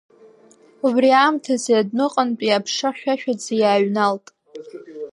Убри аамҭазы адәныҟантәи аԥша хьшәашәаӡа иааҩналт.